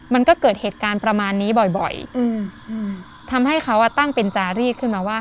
มันก็เกิดเหตุการณ์ประมาณนี้บ่อยบ่อยอืมทำให้เขาอ่ะตั้งเป็นจารีดขึ้นมาว่า